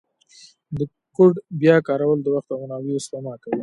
د کوډ بیا کارول د وخت او منابعو سپما کوي.